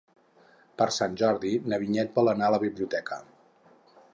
Per Sant Jordi na Vinyet vol anar a la biblioteca.